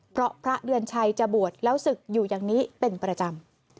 เพราะพระเดือนชัยจะบวชแล้วศึกอยู่อย่างนี้เป็นประจำ